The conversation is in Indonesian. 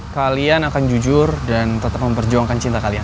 kalian akan jujur dan tetap memperjuangkan cinta kalian